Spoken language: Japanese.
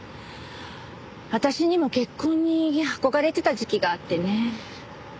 私にも結婚に憧れてた時期があってね。